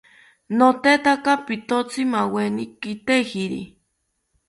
Notetaka pitotzi maaweni kitejiri